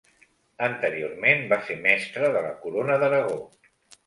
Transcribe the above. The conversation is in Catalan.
Anteriorment va ser mestre de la Corona d'Aragó.